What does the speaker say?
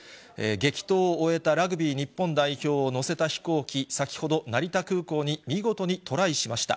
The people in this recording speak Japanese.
激闘を終えたラグビー日本代表を乗せた飛行機、先ほど成田空港に見事にトライしました。